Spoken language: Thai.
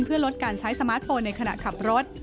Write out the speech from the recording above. เพื่อลดการใช้สมาร์ทโฟนในขณะขับรถ